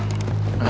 aku hantar bantuan